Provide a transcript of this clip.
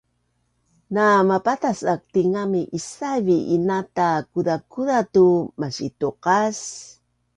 Na mapatas aak tingami isaiv i inata kuzakuza tu masituqas